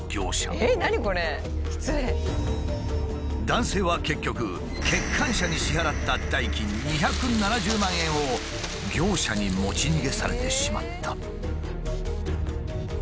男性は結局欠陥車に支払った代金２７０万円を業者に持ち逃げされてしまった。